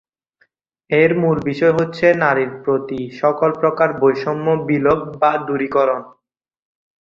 এর মূল বিষয় হচ্ছে, নারীর প্রতি সকল প্রকার বৈষম্য বিলোপ বা দূরীকরণ।